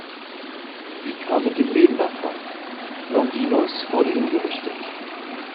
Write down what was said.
Sie kam mit dem Leben davon, Longinos wurde hingerichtet.